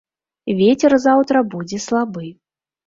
Вецер заўтра будзе слабы.